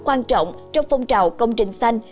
quan trọng trong phong trào công trình xanh